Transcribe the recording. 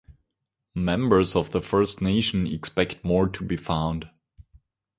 Members of the First Nation expect more to be found.